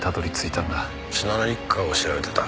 信濃一家を調べてた。